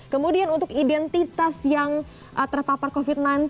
kemudian untuk identitas yang terpapar covid sembilan belas